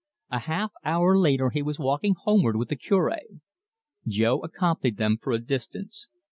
A half hour later he was walking homeward with the Cure. Jo accompanied them for a distance.